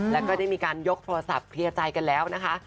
แล้วก็ได้มีการยกโทรศัพท์เคลียร์ใจกันแล้วนะคะ